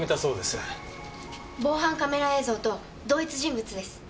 防犯カメラ映像と同一人物です。